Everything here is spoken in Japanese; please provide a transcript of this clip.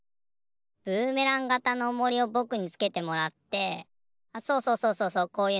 ブーメランがたのおもりをぼくにつけてもらってあっそうそうそうそうそうこういうの。